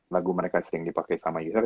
lagu mereka sering dipakai sama user